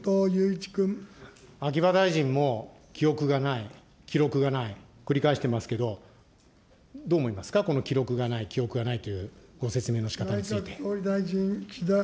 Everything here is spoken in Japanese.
秋葉大臣も記憶がない、記録がない、繰り返してますけど、どう思いますか、この記録がない、記憶がないというご説明のしかたについて。